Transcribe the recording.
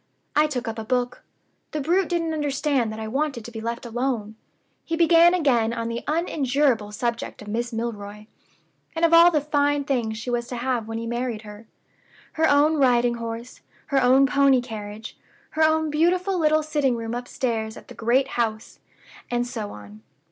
I took up a book. The brute didn't understand that I wanted to be left alone; he began again on the unendurable subject of Miss Milroy, and of all the fine things she was to have when he married her. Her own riding horse; her own pony carriage; her own beautiful little sitting room upstairs at the great house, and so on.